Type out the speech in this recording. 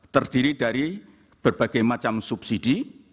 terdiri dari berbagai macam subsidi